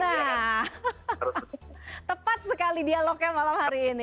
tepat sekali dialognya malam hari ini